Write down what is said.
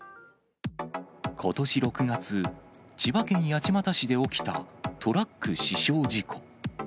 ことし６月、千葉県八街市で起きたトラック死傷事故。